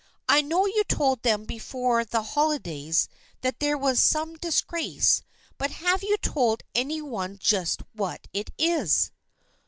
I know you told them before the holidays that there was some dis grace, but have you told any one just what it is?